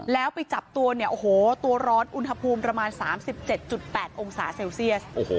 แล้วไปจับตัวเนี่ยโอ้โหตัวร้อนอุณหภูมิประมาณ๓๗๘องศาเซลเซียส